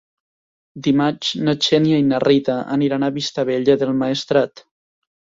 Dimarts na Xènia i na Rita aniran a Vistabella del Maestrat.